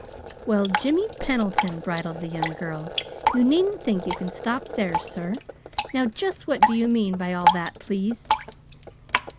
"Well, Jimmy Pendleton," bridled the girl, "you needn't think you can stop there, sir. Now just what do you mean by all that, please?"